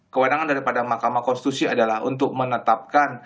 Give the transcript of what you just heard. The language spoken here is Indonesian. kewenangan daripada mahkamah konstitusi adalah untuk menetapkan